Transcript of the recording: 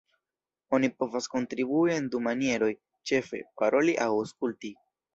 Oni povas kontribui en du manieroj, ĉefe: "Paroli" aŭ "Aŭskulti".